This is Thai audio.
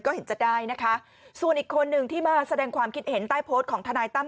ก็เห็นจะได้นะคะส่วนอีกคนหนึ่งที่มาแสดงความคิดเห็นใต้โพสต์ของทนายตั้ม